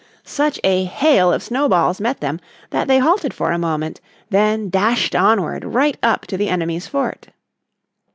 Such a hail of snowballs met them that they halted for a moment, then dashed onward right up to the enemy's fort.